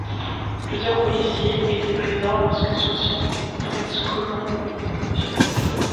Plusieurs policiers étaient présents lorsque soixante-treize colombes ont été relâchées.